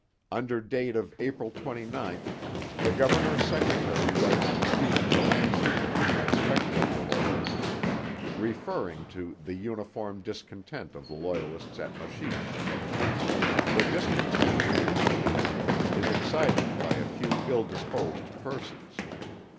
Under date of April 29, the governor's secretary writes to Stephen De Lancey, the inspector of the Loyalists, referring to 'the uniform discontent of the Loyalists at Machiche.' The discontent, he explains, is excited by a few ill disposed persons.